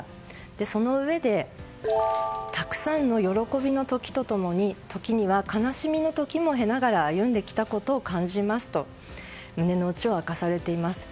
そのうえでたくさんの喜びの時と共に時には悲しみの時も経ながら歩んできたことを感じますと胸の内を明かされています。